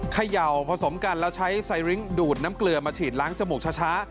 เขย่าผสมกันแล้วใช้ไซริ้งดูดน้ำเกลือมาฉีดล้างจมูกช้า